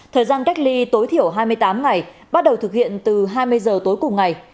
thời gian cách ly tối thiểu hai mươi tám ngày bắt đầu thực hiện từ hai mươi giờ tối cùng ngày